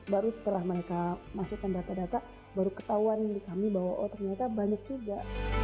baru setelah mereka masukkan data data baru ketahuan di kami bahwa oh ternyata banyak juga